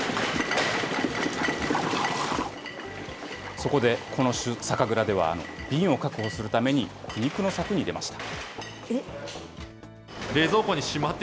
そこでこの酒蔵では、瓶を確保するために、苦肉の策に出ました。